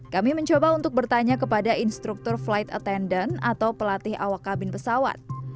kami mencoba untuk bertanya kepada instruktur flight attendant atau pelatih awak kabin pesawat